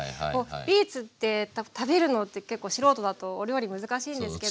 ビーツって食べるのって結構素人だとお料理難しいんですけど。